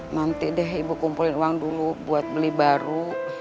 nanti deh ibu kumpulin uang dulu buat beli baru